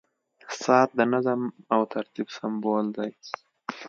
• ساعت د نظم او ترتیب سمبول دی.